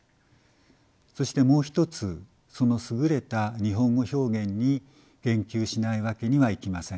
そしてもう一つその優れた日本語表現に言及しないわけにはいきません。